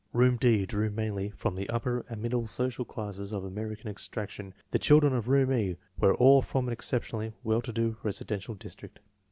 Room D drew mainly from the upper and middle social classes of American extraction. The children of Room E were all from an exceptionally well to do residential district.